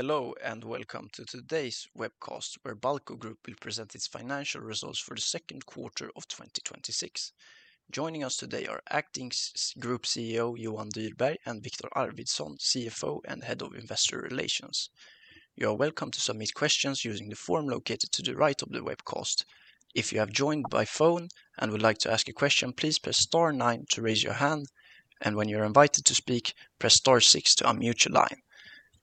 Hello, and welcome to today's webcast where Balco Group will present its financial results for the second quarter of 2026. Joining us today are Acting Group CEO Johan Dyberg and Viktor Arvidsson, CFO and Head of Investor Relations. You are welcome to submit questions using the form located to the right of the webcast. If you have joined by phone and would like to ask a question, please press star nine to raise your hand, and when you are invited to speak, press star six to unmute your line.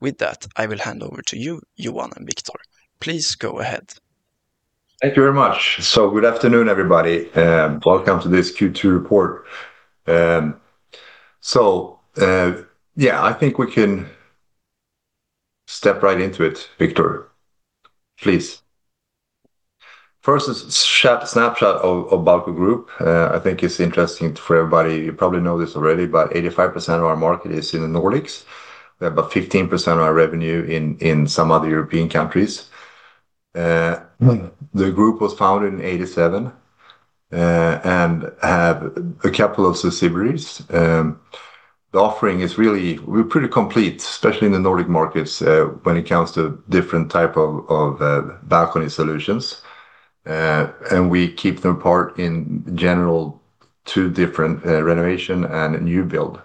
With that, I will hand over to you, Johan and Viktor. Please go ahead. Thank you very much. Good afternoon, everybody. Welcome to this Q2 report. I think we can step right into it. Viktor, please. First is snapshot of Balco Group. I think it's interesting for everybody. You probably know this already, but 85% of our market is in the Nordics. We have about 15% of our revenue in some other European countries. The group was founded in 1987 and have a couple of subsidiaries. The offering is really, we're pretty complete, especially in the Nordic markets, when it comes to different type of balcony solutions. We keep them apart in general, two different, renovation and new build.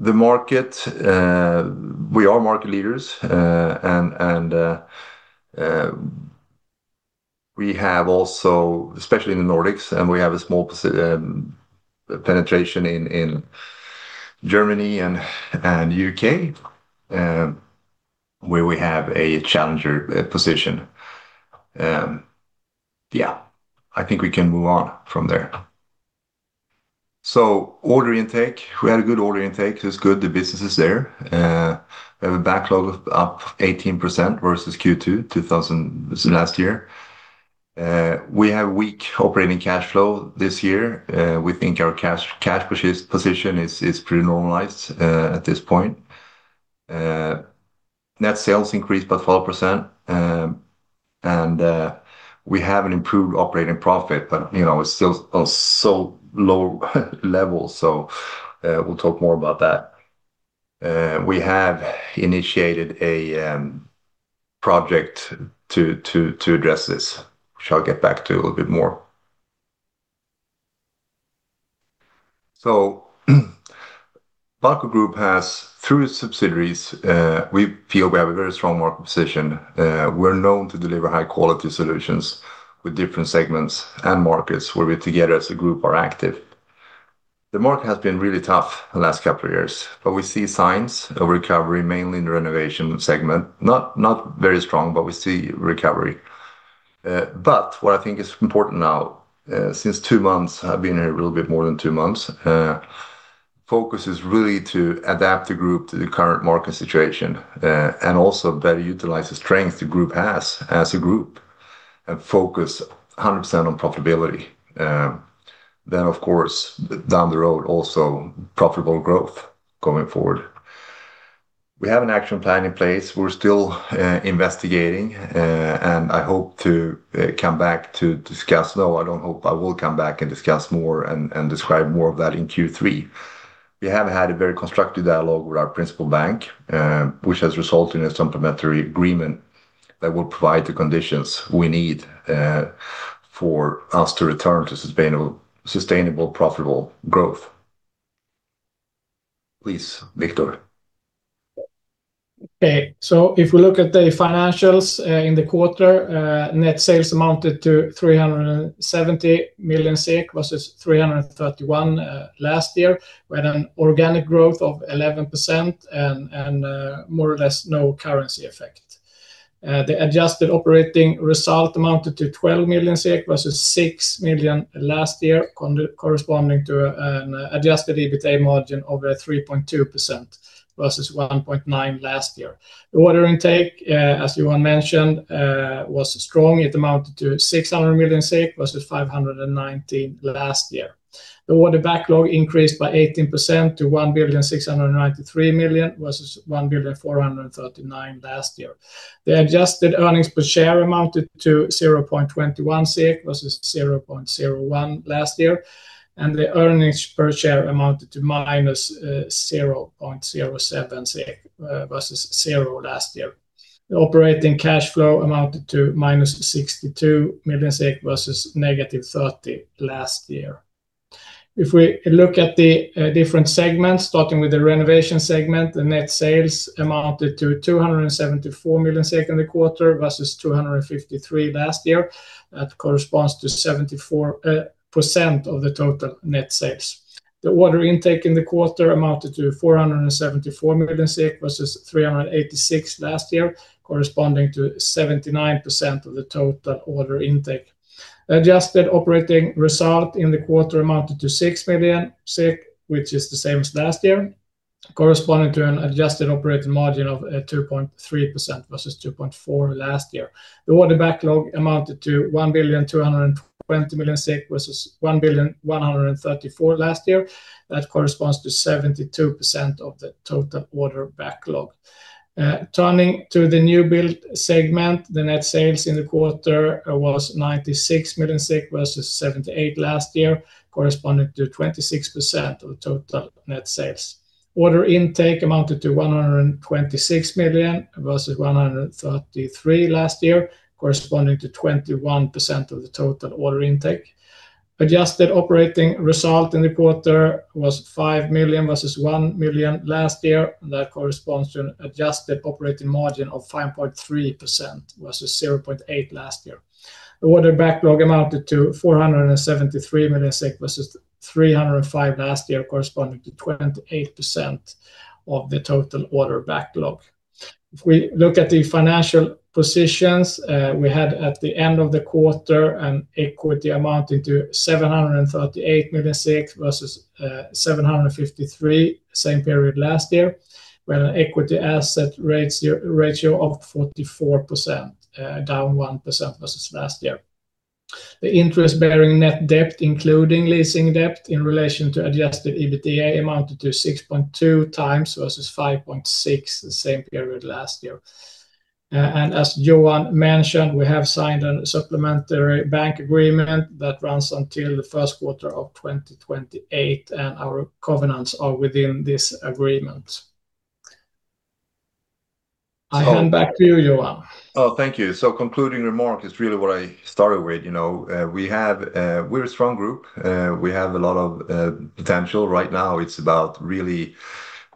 We are market leaders, especially in the Nordics, and we have a small penetration in Germany and U.K., where we have a challenger position. I think we can move on from there. Order intake. We had a good order intake. It's good the business is there. We have a backlog up 18% versus Q2 2000 last year. We have weak operating cash flow this year. We think our cash position is pretty normalized at this point. Net sales increased by 4%. We have an improved operating profit, but it's still on so low level, so we'll talk more about that. We have initiated a project to address this, which I'll get back to a little bit more. Balco Group has, through its subsidiaries, we feel we have a very strong market position. We're known to deliver high-quality solutions with different segments and markets where we together as a group are active. The market has been really tough the last couple of years, but we see signs of recovery, mainly in the renovation segment. Not very strong, but we see recovery. What I think is important now, since two months, I've been here a little bit more than two months, focus is really to adapt the group to the current market situation. Also better utilize the strength the group has as a group and focus 100% on profitability. Of course, down the road, also profitable growth going forward. We have an action plan in place. We're still investigating, and I hope to come back to discuss No, I don't hope, I will come back and discuss more and describe more of that in Q3. We have had a very constructive dialogue with our principal bank, which has resulted in a supplementary agreement that will provide the conditions we need for us to return to sustainable profitable growth. Please, Viktor. Okay. If we look at the financials in the quarter, net sales amounted to 370 million SEK versus 331 million last year, with an organic growth of 11% and more or less no currency effect. The adjusted operating result amounted to 12 million SEK versus 6 million last year, corresponding to an adjusted EBITA margin of 3.2% versus 1.9% last year. The order intake, as Johan mentioned, was strong. It amounted to 600 million SEK versus 519 million last year. The order backlog increased by 18% to 1.693 billion versus 1.439 billion last year. The adjusted earnings per share amounted to 0.21 SEK versus 0.01 last year. The earnings per share amounted to -0.07 SEK versus 0 last year. The operating cash flow amounted to -62 million SEK versus -30 million last year. If we look at the different segments, starting with the Renovation Segment, the net sales amounted to 274 million in the quarter versus 253 million last year. That corresponds to 74% of the total net sales. The order intake in the quarter amounted to 474 million versus 386 million last year, corresponding to 79% of the total order intake. Adjusted operating result in the quarter amounted to 6 million, which is the same as last year, corresponding to an adjusted operating margin of 2.3% versus 2.4% last year. The order backlog amounted to 1.220 billion versus 1.134 billion last year. That corresponds to 72% of the total order backlog. Turning to the New Build Segment, the net sales in the quarter was 96 million versus 78 million last year, corresponding to 26% of total net sales. Order intake amounted to 126 million versus 133 million last year, corresponding to 21% of the total order intake. Adjusted operating result in the quarter was 5 million versus 1 million last year. That corresponds to an adjusted operating margin of 5.3% versus 0.8% last year. The order backlog amounted to 473 million versus 305 million last year, corresponding to 28% of the total order backlog. If we look at the financial positions, we had at the end of the quarter, an equity amounting to 738 million versus 753 million same period last year, with an equity asset ratio of 44%, down 1% versus last year. The interest-bearing net debt, including leasing debt in relation to adjusted EBITDA, amounted to 6.2x versus 5.6x the same period last year. As Johan mentioned, we have signed a supplementary bank agreement that runs until the first quarter of 2028. Our covenants are within this agreement. I hand back to you, Johan. Thank you. Concluding remark is really what I started with. We're a strong group. We have a lot of potential. Right now, it's about really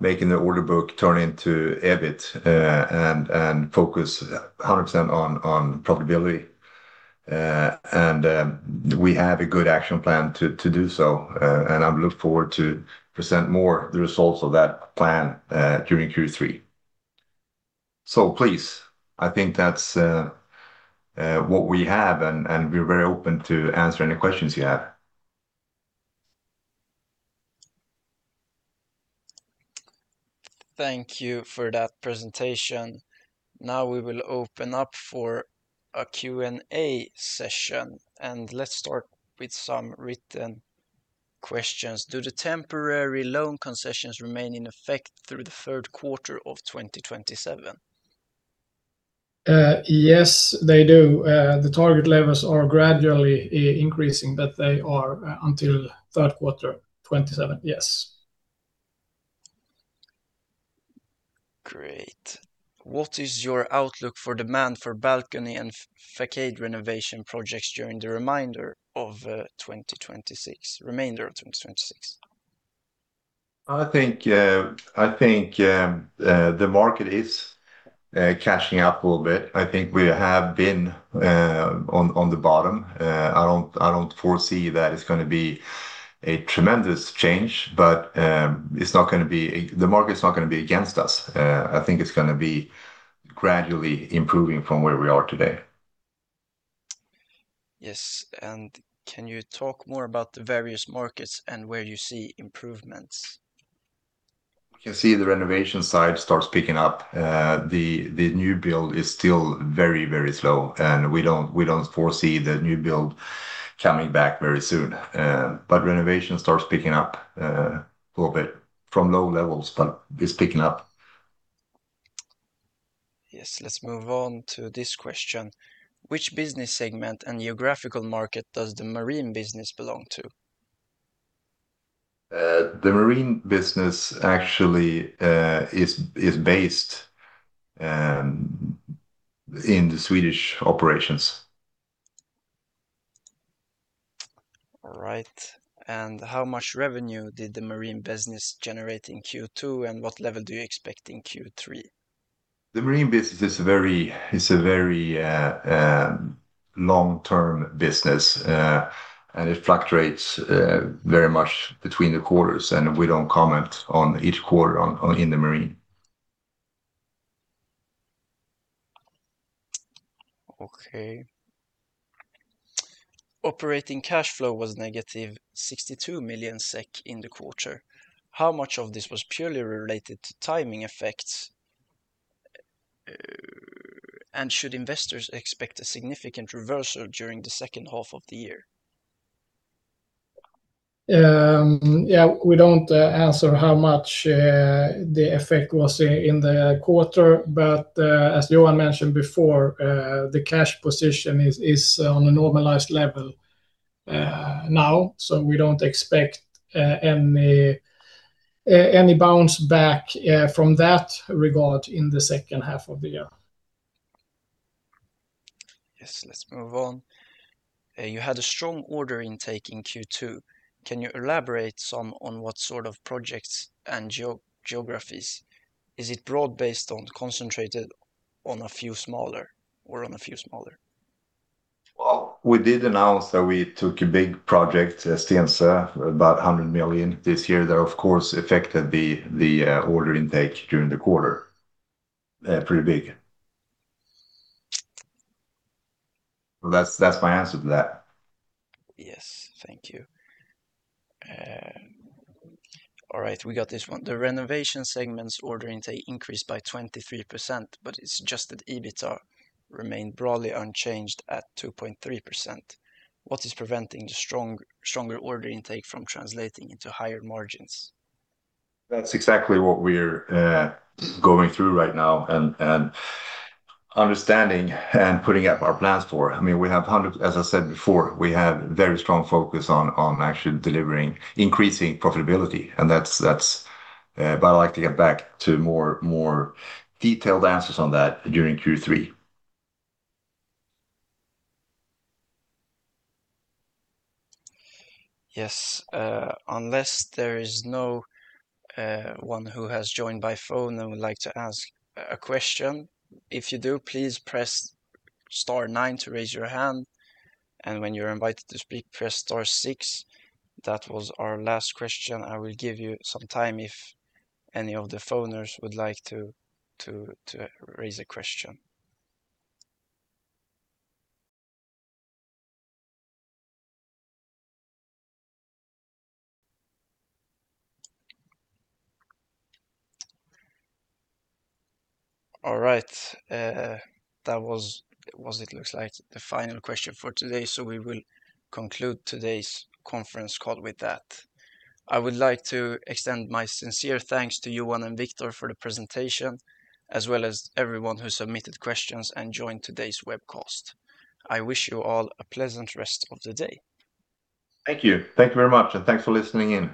making the order book turn into EBIT and focus 100% on profitability. We have a good action plan to do so, and I look forward to present more the results of that plan during Q3. Please, I think that's what we have, and we're very open to answer any questions you have. Thank you for that presentation. Now we will open up for a Q&A session. Let's start with some written questions. Do the temporary loan concessions remain in effect through the third quarter of 2027? Yes, they do. The target levels are gradually increasing, but they are until third quarter 2027. Yes. Great. What is your outlook for demand for balcony and facade renovation projects during the remainder of 2026? I think the market is catching up a little bit. I think we have been on the bottom. I don't foresee that it's going to be a tremendous change. The market's not going to be against us. I think it's going to be gradually improving from where we are today. Yes. Can you talk more about the various markets and where you see improvements? We can see the renovation side starts picking up. The new build is still very slow, and we don't foresee the new build coming back very soon. Renovation starts picking up a little bit from low levels, but it's picking up. Yes, let's move on to this question. Which business segment and geographical market does the marine business belong to? The marine business actually is based in the Swedish operations. All right. How much revenue did the marine business generate in Q2, and what level do you expect in Q3? The marine business is a very long-term business. It fluctuates very much between the quarters, and we don't comment on each quarter in the marine. Okay. Operating cash flow was -62 million SEK in the quarter. How much of this was purely related to timing effects? Should investors expect a significant reversal during the second half of the year? We don't answer how much the effect was in the quarter, but, as Johan mentioned before, the cash position is on a normalized level now. We don't expect any bounce back from that regard in the second half of the year. Yes. Let's move on. You had a strong order intake in Q2. Can you elaborate some on what sort of projects and geographies? Is it broad-based or concentrated on a few smaller? Well, we did announce that we took a big project, Stense, about 100 million this year. That, of course, affected the order intake during the quarter. Pretty big. That's my answer to that. Yes. Thank you. All right, we got this one. The renovation segment's order intake increased by 23%, but its adjusted EBITA remained broadly unchanged at 2.3%. What is preventing the stronger order intake from translating into higher margins? That's exactly what we're going through right now and understanding and putting up our plans for. As I said before, we have very strong focus on actually increasing profitability. I'd like to get back to more detailed answers on that during Q3. Yes. Unless there is no one who has joined by phone and would like to ask a question. If you do, please press star nine to raise your hand, and when you're invited to speak, press star six. That was our last question. I will give you some time if any of the phoners would like to raise a question. All right. That was, it looks like, the final question for today, so we will conclude today's conference call with that. I would like to extend my sincere thanks to Johan and Viktor for the presentation, as well as everyone who submitted questions and joined today's webcast. I wish you all a pleasant rest of the day. Thank you. Thank you very much, and thanks for listening in.